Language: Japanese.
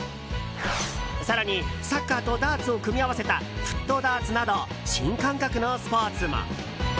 更に、サッカーとダーツを組み合わせたフットダーツなど新感覚のスポーツも。